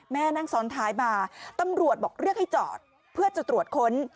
นั่งซ้อนท้ายมาตำรวจบอกเรียกให้จอดเพื่อจะตรวจค้น